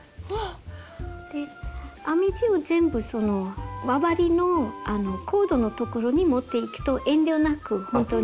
編み地を全部その周りのコードのところに持っていくと遠慮なくほんとに。